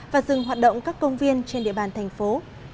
và dừng hoạt động các công viên trên địa bàn thành phố